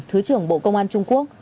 thứ trưởng bộ công an trung quốc